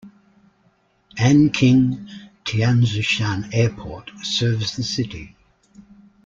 Anqing Tianzhushan Airport serves the city.